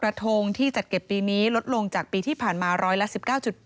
กระทงที่จัดเก็บปีนี้ลดลงจากปีที่ผ่านมา๑๑๙๘ใบ